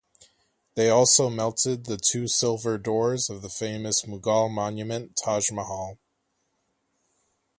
They also melted the two silver doors of the famous Mughal monument Taj Mahal.